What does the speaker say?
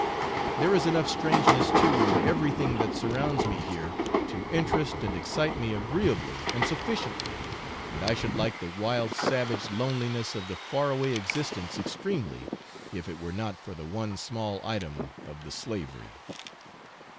There is enough strangeness too in everything that surrounds me here to interest and excite me agreeably and sufficiently, and I should like the wild savage loneliness of the far away existence extremely, if it were not for the one small item of 'the slavery.'